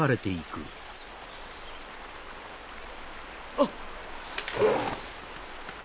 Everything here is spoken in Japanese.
あっ！